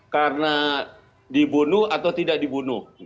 karena dibunuh atau tidak dibunuh